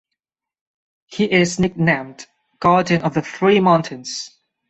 He is nicknamed "Guardian of the Three Mountains".